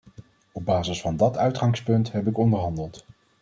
Op basis van dat uitgangspunt heb ik onderhandeld.